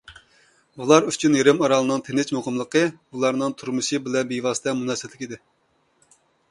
ئۇلار ئۈچۈن يېرىم ئارالنىڭ تىنچ، مۇقىملىقى ئۇلارنىڭ تۇرمۇشى بىلەن بىۋاسىتە مۇناسىۋەتلىك ئىدى.